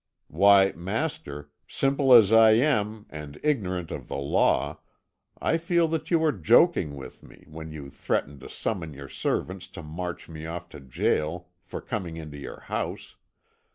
Why, master, simple as I am, and ignorant of the law, I feel that you are joking with me, when you threaten to summon your servants to march me off to gaol for coming into your house.